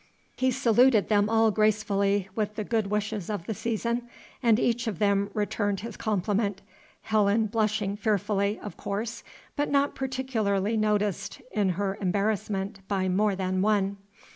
He saluted them all gracefully with the good wishes of the season, and each of them returned his compliment, Helen blushing fearfully, of course, but not particularly noticed in her embarrassment by more than one.